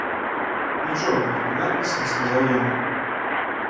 Нічога гэты надпіс не сказаў яму.